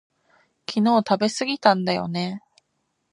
昨日食べすぎたんだよね